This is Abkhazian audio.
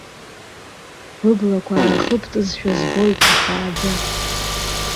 Быблақәа аахыбтызшәа збоит ихааӡа.